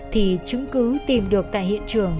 thì chứng cứ tìm được tại hiện trường